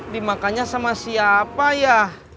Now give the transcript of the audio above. dimakannya sama siapa ya